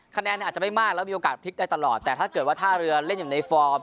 คะแนนอาจจะไม่มากแล้วมีโอกาสพลิกได้ตลอดแต่ถ้าเกิดว่าท่าเรือเล่นอยู่ในฟอร์ม